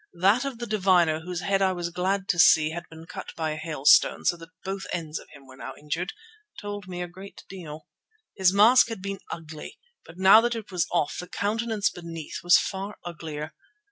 That of the diviner whose head I was glad to see had been cut by a hailstone so that both ends of him were now injured, told me a good deal. His mask had been ugly, but now that it was off the countenance beneath was far uglier.